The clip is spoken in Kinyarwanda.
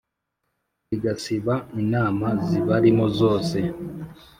Rigasiba inama zibarimo zose